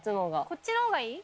こっちのほうがいい？